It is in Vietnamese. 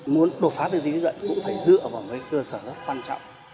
muốn đột phá tư duy lý luận cũng phải dựa vào một cái cơ sở rất quan trọng